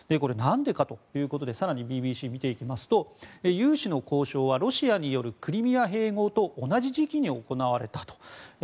何でかということで更にＢＢＣを見ていきますと融資の交渉はロシアによるクリミア併合と同じ時期に行われたと。